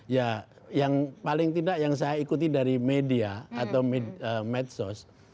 ya yang paling tidak yang saya ikuti dari media atau medsos